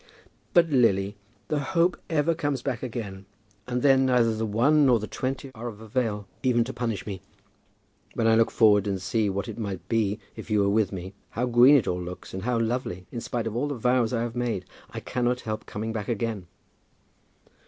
"But, Lily, the hope ever comes back again, and then neither the one nor the twenty are of avail, even to punish me. When I look forward and see what it might be if you were with me, how green it all looks and how lovely, in spite of all the vows I have made, I cannot help coming back again."